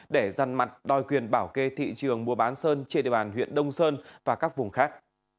để răn mặt đòi quyền bảo kê thị trường mua bán sơn trên địa bàn huyện đông sơn và các vùng khác